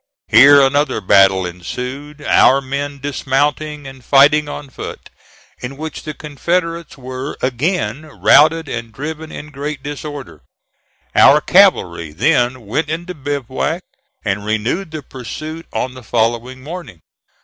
Here another battle ensued, our men dismounting and fighting on foot, in which the Confederates were again routed and driven in great disorder. Our cavalry then went into bivouac, and renewed the pursuit on the following morning.